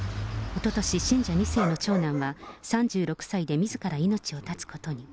おととし、信者２世の長男は、３６歳でみずから命を絶つことに。